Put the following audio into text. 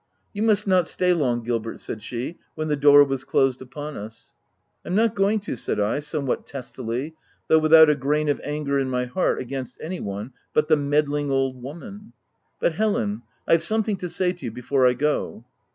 " You must not stay long Gilbert," said she, when the door was closed upon us. " I'm not going to," said I, somewhat testily, though without a grain of anger in my heart against any one but the meddling old woman. " But Helen, Fve something to say to you be fore I go."